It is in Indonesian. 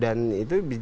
dan itu bijak bijaknya